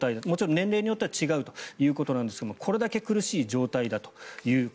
もちろん年齢によっては違うということですがこれだけ苦しい状態だと。